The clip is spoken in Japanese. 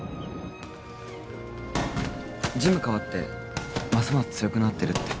ジムかわってますます強くなってるって。